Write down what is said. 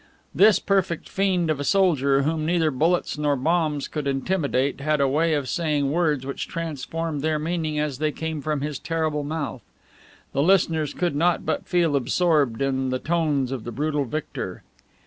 This perfect fiend of a soldier, whom neither bullets nor bombs could intimidate, had a way of saying words which transformed their meaning as they came from his terrible mouth. The listeners could not but feel absorbed in the tones of the brutal victor.